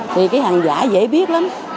vì cái hàng giả dễ biết lắm